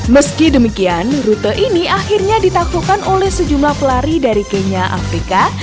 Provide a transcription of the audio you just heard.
meski demikian rute ini akhirnya ditaklukkan oleh sejumlah pelari dari kenya afrika